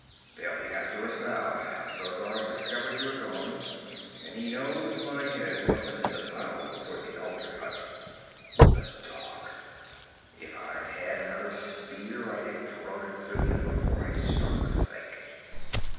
'They'll be after us now. Zogar's discovered you're gone, and he knows my head wasn't in the pile before the altar hut. The dog! If I'd had another spear I'd have thrown it through him before I struck the snake.